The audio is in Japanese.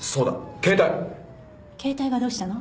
携帯がどうしたの？